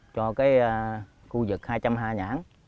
cho cái khu vực hai trăm hai mươi nhãn